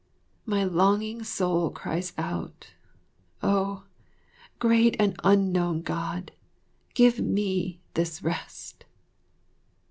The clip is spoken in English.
My longing soul cries out, "Oh, great and unknown God, give me this rest!"